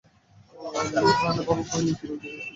হারানবাবু কহিলেন, কিছু রোগা দেখছি যেন।